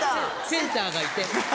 センターがいて。